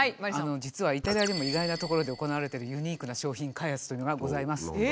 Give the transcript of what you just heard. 実はイタリアでも意外な所で行われてるユニークな商品開発というのがございます。